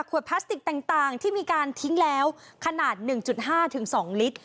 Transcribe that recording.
ขวดพลาสติกต่างต่างที่มีการทิ้งแล้วขนาดหนึ่งจุดห้าถึงสองลิตร